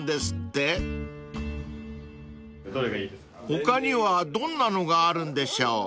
［他にはどんなのがあるんでしょう？］